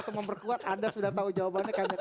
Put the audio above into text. untuk memperkuat anda sudah tahu jawabannya